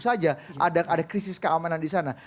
ini tidak ujung ujung saja ada krisis keamanan di sana